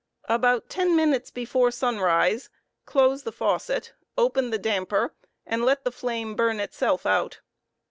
About ten minutes before suntise, close the faucet, open the damper; and let the flame burn itself out.